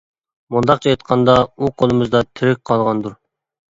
مۇنداقچە ئېيتقاندا، ئۇ قولىمىزدا تىرىك قالغاندۇر.